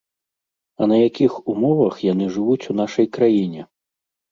А на якіх умовах яны жывуць у нашай краіне?